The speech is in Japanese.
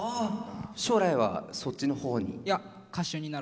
将来はそっちのほうに？